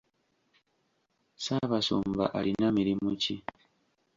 Ssaabasumba alina mirimu ki?